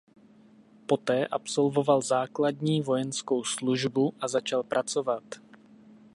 Poté absolvoval základní vojenskou službu a začal pracovat.